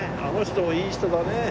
あの人もいい人だね。